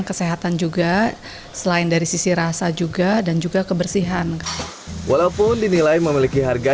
kesehatan juga selain dari sisi rasa juga dan juga kebersihan walaupun dinilai memiliki harga